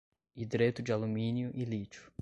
hidreto de alumínio e lítio